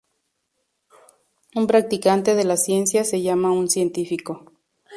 Un practicante de la ciencia se llama un "científico".